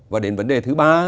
và đến vấn đề thứ ba